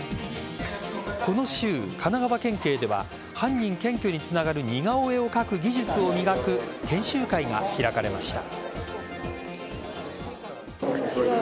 この週、神奈川県警では犯人検挙につながる似顔絵を描く技術を磨く研修会が開かれました。